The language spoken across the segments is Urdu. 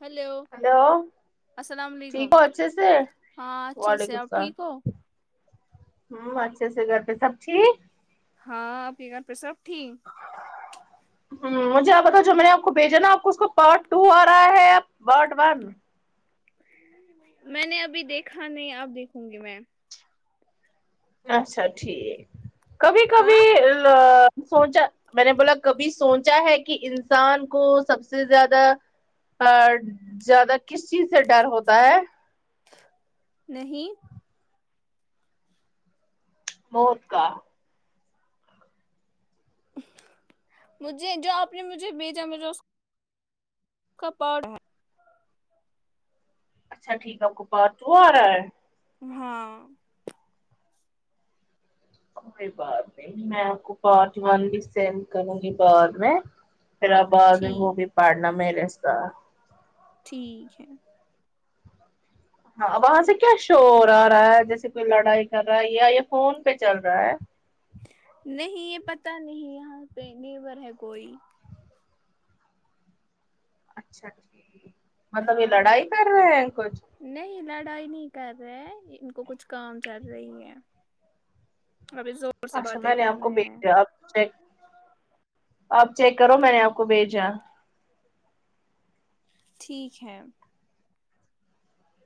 ہیلو ہلو السلام ٹھیک علیکم ہو اچھے سے ہاں اچھے سے وعلیکم آپ اسلام ٹھیک ہو ہوں اچھے سے گھر پہ سب ٹھیک ہاں آپ کی گھر پے سب ٹھیک امم مجھے آپ بتاؤ جو میں نے آپ کو بھیجا نا آپ کو اس کو پارٹ ٹو آ رہا ہے یا پارٹ ون میں نے ابھی دیکھا نہیں اب دیکھوں گی میں اچھا ٹھیک کبھی ہاں کبھی آ سوچا میں نے بولا کبھی سوچا ہے کہ انسان کو سب سے زیادہ آ زیادہ کس چیز سے ڈر ہوتا ہے نہیں موت کا مجھے جو آپ نے مجھے بھیجا ملا کا پارٹ ٹو اچھا ٹھیک ہے آپکو پارٹ ٹو آ رہا ہے ہاں کوئی بات نہیں میں آپ کو پارٹ ون بھی سینڈ کروں گی بعد میں پھر اب بعد میں بھی ٹھیک پڑنا میرے ساتھ ٹھیک ہے ہاں وہاں سے کیا شو آ رہا ہے جیسے کوئی لڑائی کر رہا ہے یا یا فون پہ چل رہا ہے نہیں یہ پتہ نہیں یہاں پہ نیبر ہے کوئی اچھا مطلب یہ ہاں لڑائی کر رہے ہیں کچھ نہیں لڑائی نہیں کر رہے ان کو کچھ کام چل رہی ہے ابھی جو اچھا میں نے آپ کو بھیج دیا آپ کو سینڈ آپ چیک کرو میں نے آپ کو بھیجا ہے ٹھیک ہے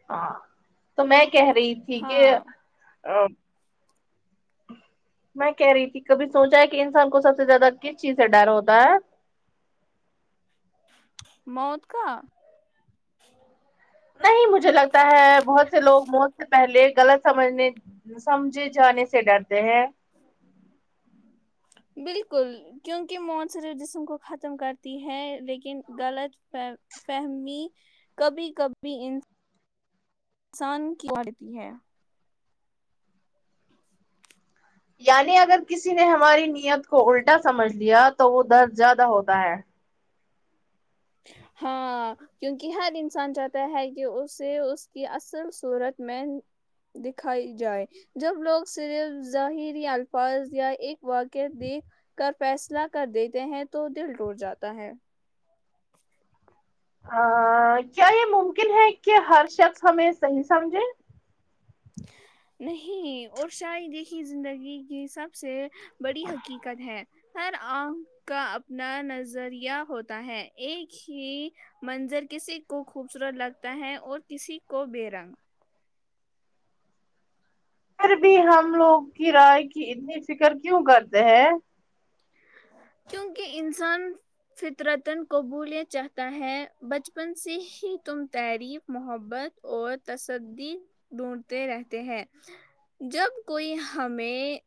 ہاں تو میں کہہ رہی تھی کہ ہاں آ میں کہہ رہی تھی کبھی سوچا ہے کہ انسان کو سب سے زیادہ کس چیز سے ڈر ہوتا ہے موت کا نہیں مجھے لگتا ہے بہت سے لوگ موت سے پہلے غلط سمجھنے سمجھے جانے سے ڈرتے ہیں بالکل کیونکہ مون صرف جسم کو ختم کرتی ہے لیکن غلط فی فہمی کبھی کبھی ان انسان کی بڑتی ہے یعنی اگر کسی نے ہماری نیت کو الٹا سمجھ لیا تو وہ درد زیادہ ہوتا ہے ہاں کیونکہ ہر انسان چاہتا ہے کہ اسے اس کی اصل صورت میں دکھائی جائے جب لوگ صرف ظاہری الفاظ یا ایک واقع دیکھ کر فیصلہ کر دیتے ہیں تو دل ٹوٹ جاتا ہے آ کیا یہ ممکن ہے کہ ہر شخص ہمیں صحیح سمجھے نہیں اور شاید یہیں زندگی کی سب سے بڑی حقیقت ہے ہر آنکھ کا اپنا نظریہ ہوتا ہے ایک ہی منظر کسی کو خوبصورت لگتا ہے اور کسی کو بے رنگ پھر بھی ہم لوگ کرائے کی اتنی فکر کیوں کرتے ہیں کیونکہ انسان فطرتن قبول یہ چاہتا ہے بچپن سے ہی تم تعریف محبت اور تصدید ڈھونڈتے رہتے ہیں جب کوئی ہمیں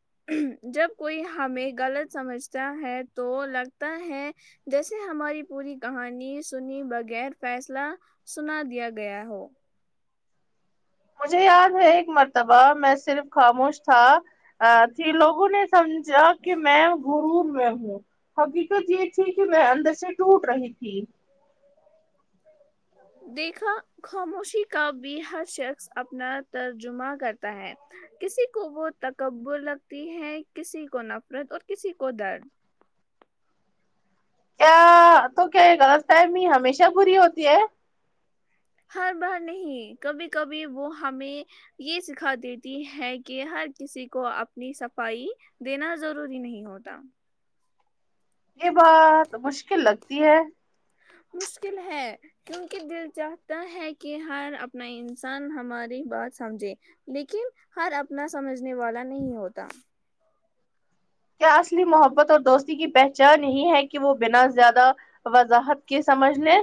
جب کوئی ہمیں غلط سمجھتا چاہے تو لگتا ہے جیسے ہماری پوری کہانی سنی بغیر فیصلہ سنا دیا گیا ہو مجھے یاد ہے ایک مرتبہ میں صرف خاموش تھا تھی لوگوں نے سمجھا کہ میں غرور میں ہوں حقیقت یہ تھی کہ میں اندر سے ٹوٹ رہی تھی دیکھا خاموشی کا بھی ہر شخص اپنا ترجمہ کرتا ہے کسی کو وہ تکبر لگتی ہے کسی کو نفرت اور کسی کو درد کیا تو کیا غلط فہمی ہمیشہ بری ہوتی ہے ہر بار نہیں کبھی کبھی وہ ہمیں یہ سکھا دیتی ہے کہ ہر کسی کو اپنی صفائی دینا ضروری نہیں ہوتا یہ بات مشکل لگتی ہے مشکل ہے کیونکہ دل چاہتا ہے کہ ہر اپنا انسان ہماری بات سمجھے لیکن ہر اپنا سمجھنے والا نہیں ہوتا کیا اصلی محبت اور دوستی کی پہچان یہی ہے کہ وہ بنا زیادہ وضاحت کی سمجھ لے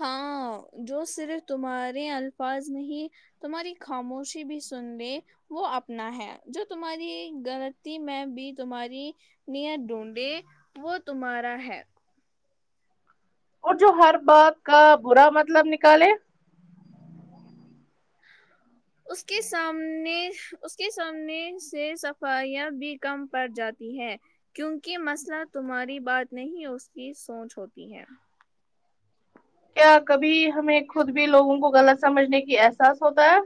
ہاں جو صرف تمہارے الفاظ میں ہی تمہاری خاموشی بھی سن لیں وہ اپنا ہے جو تمہاری غلطی میں بھی تمہاری نیت ڈھونڈے وہ تمہارا ہے اور جو ہر بات کا برا مطلب نکالے اس کے سامنے اس کے سامنے سے صفائیاں بھی کم پڑ جاتی کی ہے کیونکہ مسئلہ تمہاری بات نہیں اس کی سوچ ہوتی ہے کیا کبھی ہمیں خود بھی لوگوں کو غلط سمجھنے کی احساس ہوتا ہے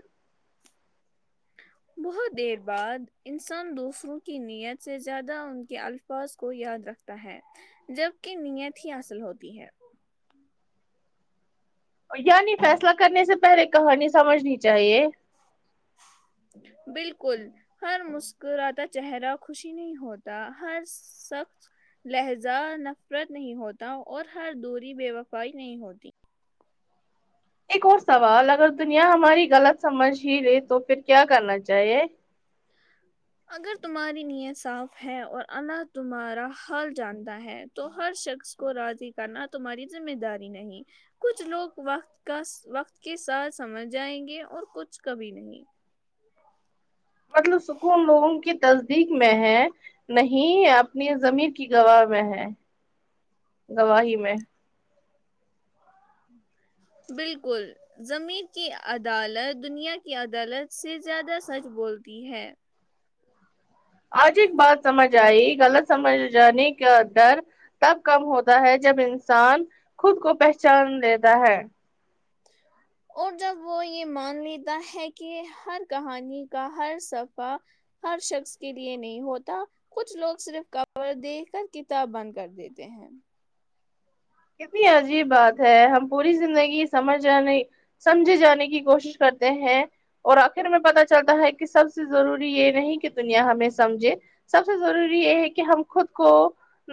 بہت دیر بعد انسان دوسروں کی نیت سے زیادہ ان کے الف از کو یاد رکھتا ہے جبکہ نیت ہی اصل ہوتی ہے یعنی فیصلہ کرنے سے پہلے کہانی سمجھنی چاہیے بالکل ہر مسکراتا چہرہ خوشی نہیں ہوتا ہر سخ لہجہ نفرت نہیں ہوتا اور ہر دوری بے وفائی نہیں ہوتی ایک اور سوال اگر دنیا ہماری غلط سمجھ ہی لے تو پھر کیا کرنا چاہیے اگر تمہاری نیت صاف ہے اور اللہ تمہارا حال جانتا ہے تو ہر شخص کو راضی کرنا تمہاری ذمہ داری نہیں کچھ لوگ وقت کا وقت کے ساتھ سمجھ جائیں گے اور کچھ کبھی نہیں مطلب سکون لوگوں کی تصدیق میں ہیں نہیں اپنی زمیر کی گواہ میں ہے گواہی میں بالکل زمیر کی عدالت دنیا کی عدالت سے زیادہ سچ بولتی ہے آج ایک بات سمجھ آئی غلط سمجھ جانے کا در تب کم ہوتا ہے جب انسان خود کو پہچان لیتا ہے اور جب وہ یہ مان لیتا ہے کہ ہر کہانی کا ہر صفہ ہر شخص کے لیے نہیں ہوتا کچھ لوگ صرف کور دیکھ کر کتاب بند کر دیتے ہیں کتنی عجیب بات ہے ہم پوری زندگی سمجھ جے سمجھے جانے کی کوشش کرتے ہیں اور آخر میں پتا چلتا ہے کہ سب سے ضروری یہ نہیں کہ دنیا ہمیں سمجھے سب سے ضروری یہ ہے کہ ہم خود کو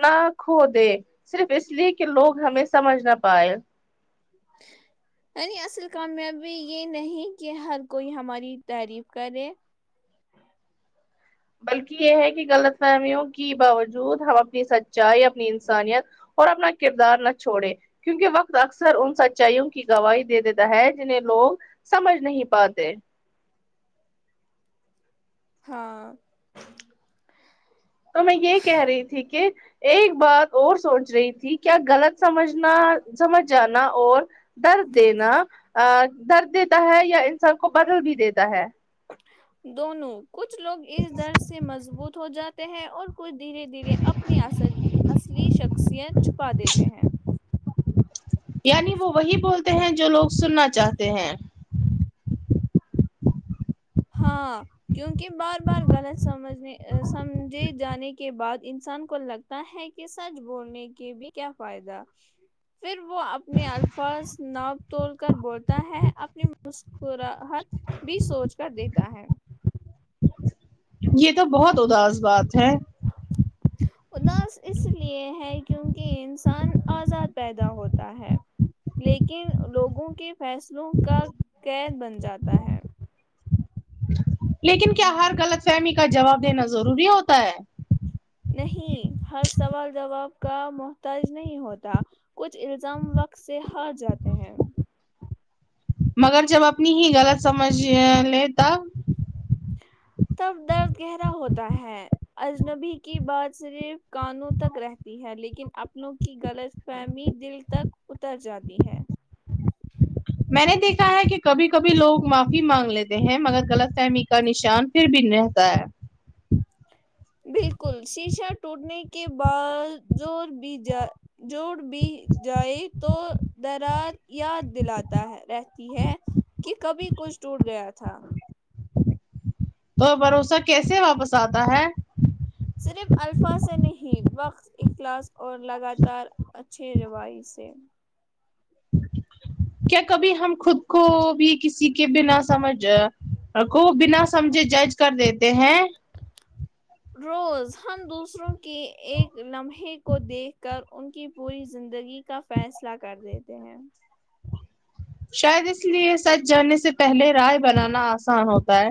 نہ کھو دیں صرف اس لیے کہ لوگ ہمیں سمجھ نہ پائے یعنی اصل کامیابی یہ نہیں کہ ہر کوئی ہماری تعریف کرے بلکہ یہ ہے کہ غلط فہمیوں کی باوجود ہم اپنی سچائی اپنی انسانیت اور اپنا کردار نہ چھوڑے کیونکہ وقت اکثر ان سچائیوں کی گواہی دے دیتا ہے جنہیں لوگ سمجھ نہیں پاتے ہاں تو میں یہ کہہ رہی تھی کہ ایک بات اور سوچ رہی تھی کیا غلط سمجھنا سمجھ جانا اور درد دینا ا درد دیتا ہے یا انسان کو بدل بھی دیتا ہے دونوں کچھ لوگ اس درد سے مضبوط ہو جاتے ہیں اور کو دھیرے دھیرے اپنی اصل اصلی شخصیت چھپا دیتے ہیں یعنی وہ وہی بولتے ہیں جو لوگ سننا چاہتے ہیں ہاں کیونکہ بار بار غلط سمجھنے سمجھے جانے کے بعد انسان کو لگ تاہے کہ سچ بولنے کے بھی کیا فائدہ پھر وہ اپنے الفاظ ناپ تول کر بولتا ہے اپنی مسکراہٹ بھی سوچ کر دیتا ہے یہ تو بہت اداس بات ہے اداس اس لیے ہے کیونکہ انسان آزاد پیدا ہوتا ہے لیکن لوگوں کے فیصلوں کا قید بن جاتا ہے لیکن کیا ہر غلط فہمی کا جواب دینا ضروری ہوتا ہے نہیں ہر سوال جواب کا محتاج نہیں ہوتا کچھ الزام وقت سے ہار جاتے ہیں مگر جب اپنی ہی غلط سمجھ لے تب تب درد گہرا ہوتا ہے اجنبی کی بات صرف کانوں تک رہتی ہے لیکن اپنوں کی غلط فہمی دل تک اتر جاتی ہے میں نے دیکھا ہے کہ کبھی کبھی لوگ معافی مانگ لیتے ہیں مگر غلط فہمی کا نشان پھر بھی رہتا ہے بالکل شیشا ٹوٹنے کے بعد جوڑ بھی جائے جوڑ بھی جائے تو درار یاد دلاتا ہے رہتی ہے کہ کبھی کچھ ٹوٹ گیا تھا تو بھروسہ کیسے واپس آتا ہے صرف الفاظ سے نہیں وقت اخلاص اور لگاتار اچھے روی سے کیا کبھی ہم خود کو بھی کسی کے بنا سمجھ آپکو بنا سمجھے جج کر دیتے ہیں روز ہم دوسروں کے ایک لمحے کو دیکھ کر ان کی پوری زندگی کا فیصلہ کر دیتے ہیں شاید اس لیے سچ جانے سے پہلے رائے بنانا آسان ہوتا ہے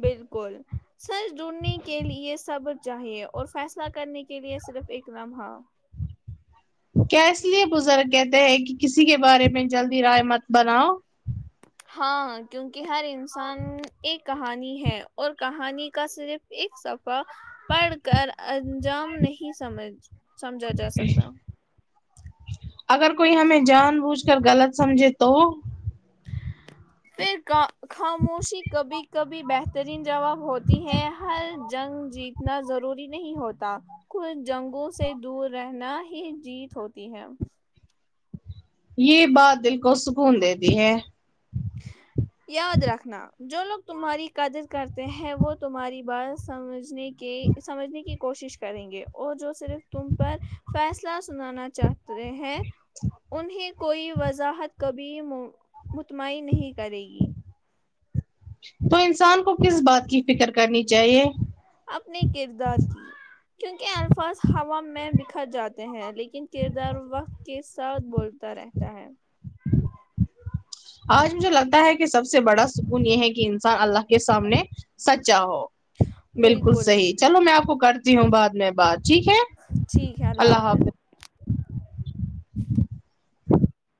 بالکل سچ ڈھونڈنے کے لیے صبر چاہیے اور فیصلہ کرنے کے لیے صرف ایک لمحہ کیا اس لیے بزرگ کہتے ہیں کہ کسی کے بارے میں جلدی رائے مت بناؤ ہاں کیونکہ ہر انسان ایک کہانی ہے اور کہانی کا صرف ایک صفہ پڑھ کر انجام نہیں سمجھ سمجھا جا سکتا اگر کوئی ہمیں جان بوجھ کر غلط سمجھے تو پھر خاموشی کبھی کبھی بہترین جواب ہوتی ہے ہر جنگ جیتنا ضروری نہیں ہوتا کچھ جنگوں سے دور رہنا ہی جیت ہوتی ہے یہ بات دل کو سکون دیتی ہے یاد رکھنا جو لوگ تمہاری قدر کرتے ہیں وہ تمہاری بات سمجھنے کے سمجھنے کی کوشش کریں گے اور جو صرف تم پر فیصلہ سنانا چاہتے ہیں انہیں کوئی وضاحت کبھی مطمئین نہیں کرے گی تو انسان کو کس بات کی فکر کرنی چاہیے اپنے کردار کی کیونکہ الفاظ ہوا میں بکھر جاتے ہیں لیکن کردار وقت کے ساتھ بولتا رہتا ہے آج مجھے لگتا ہے کہ سب سے بڑا سکون یہ ہے کہ انسان اللہ کے سامنے سچا ہو بالکل صحیح چلو میں آپ کو کرتی ہوں بعد میں بات ٹھیک ہے ٹھیک ہے اللہ حافظ حاف